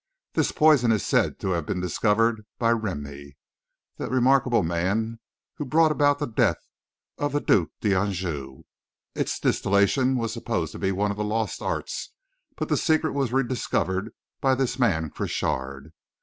This poison is said to have been discovered by Rémy, the remarkable man who brought about the death of the Duc d'Anjou. Its distillation was supposed to be one of the lost arts, but the secret was rediscovered by this man Crochard.